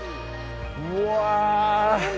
うわ！